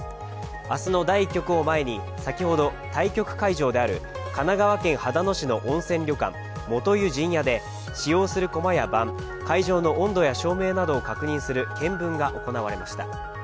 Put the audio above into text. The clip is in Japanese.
明日の第１局を前に、先ほど対局会場である神奈川県秦野市の温泉旅館、元湯陣屋で使用する駒や盤会場の温度や証明などを確認する検分が行われました。